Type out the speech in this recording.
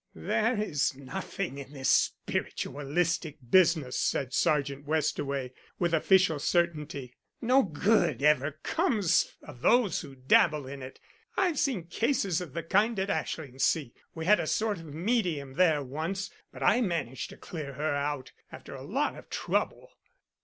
"There is nothing in this spiritualistic business," said Sergeant Westaway, with official certainty. "No good ever comes of those who dabble in it I've seen cases of the kind at Ashlingsea. We had a sort of medium there once, but I managed to clear her out, after a lot of trouble."